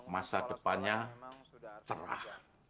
masa depannya cerah